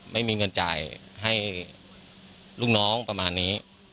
ไม่มีเงินจ่ายให้ลูกน้องประมาณนี้